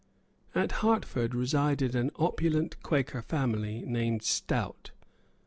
At Hertford resided an opulent Quaker family named Stout.